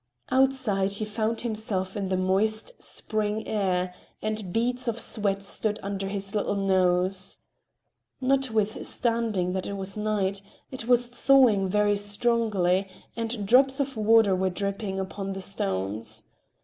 Outside he found himself in the moist, spring air, and beads of sweat stood under his little nose. Notwithstanding that it was night, it was thawing very strongly and drops of water were dripping upon the stones.